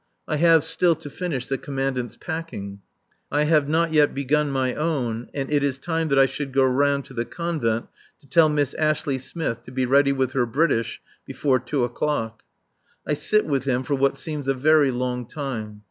I have still to finish the Commandant's packing; I have not yet begun my own, and it is time that I should go round to the Convent to tell Miss Ashley Smith to be ready with her British before two o'clock. I sit with him for what seems a very long time.